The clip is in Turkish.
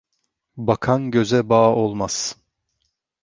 Bakan göze bağ olmaz.